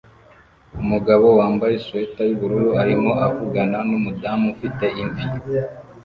umugabo wambaye swater yubururu arimo avugana numudamu ufite imvi